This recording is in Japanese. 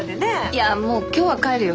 いやもう今日は帰るよ。